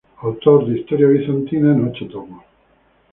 Autor de "Historia bizantina" en ocho libros.